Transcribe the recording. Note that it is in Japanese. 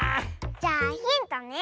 じゃあヒントね！